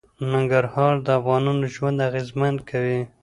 ننګرهار د افغانانو ژوند اغېزمن کوي.